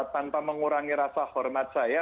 tanpa mengurangi rasa hormat saya